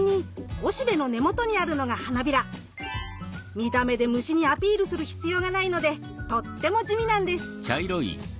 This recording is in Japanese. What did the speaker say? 見た目で虫にアピールする必要がないのでとっても地味なんです。